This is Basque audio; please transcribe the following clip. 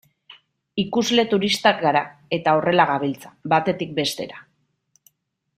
Ikusle turistak gara, eta horrela gabiltza, batetik bestera.